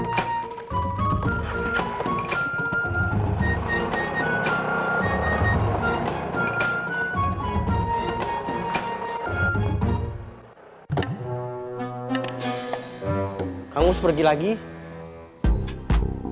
kangus pergi lagi